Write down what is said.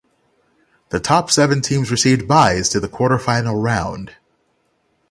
The top seven teams received byes to the quarterfinal round.